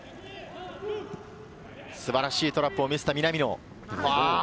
素晴らしいトラップを見せた南野。